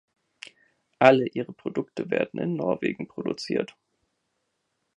Alle ihre Produkte werden in Norwegen produziert.